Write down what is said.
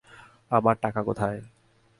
আমার টাকা কোথায়?